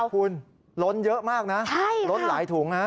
คุณล้นเยอะมากนะล้นหลายถุงฮะ